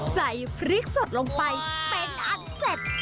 ใส่พริกสดลงไปเป็นอันเสร็จ